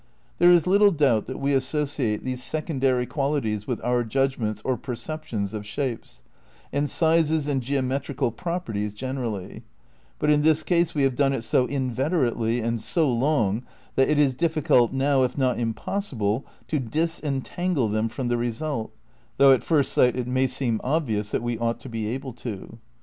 There is little doubt that we associate these secondary qualities with our judgments (or perceptions) of shapes, and sizes and geometrical properties generally; but in this case we have done it so inveterately and so long that it is difficult now, if not impossible, to disentangle them from the result, though at first sight it may seem ob vious that we ought to be able to.